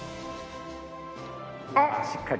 あっ！